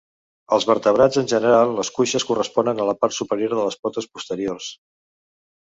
Als vertebrats en general les cuixes corresponen a la part superior de les potes posteriors.